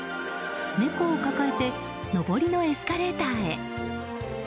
猫を抱えて上りのエスカレーターへ。